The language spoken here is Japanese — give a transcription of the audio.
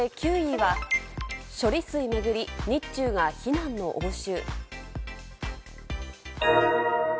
そして９位には処理水巡り、日中が非難の応酬。